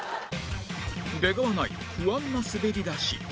出川ナイン不安な滑り出し